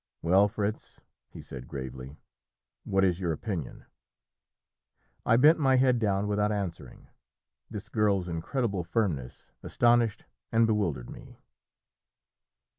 "Well, Fritz," he said gravely, "what is your opinion?" I bent my head down without answering. This girl's incredible firmness astonished and bewildered me.